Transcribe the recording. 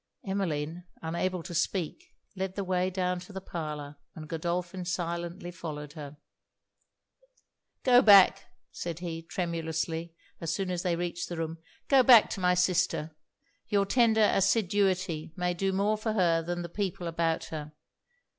Emmeline, unable to speak, led the way down to the parlour, and Godolphin silently followed her. 'Go back,' said he, tremulously, as soon as they reached the room 'go back to my sister; your tender assiduity may do more for her than the people about her.